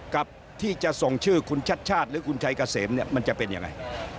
กับที่จะส่งชื่อคุณชัดชาติหรือคุณชัยเกษมเนี่ยมันจะเป็นยังไง